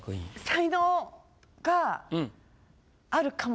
才能があるかも。